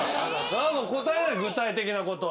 何か答えないと具体的なことを。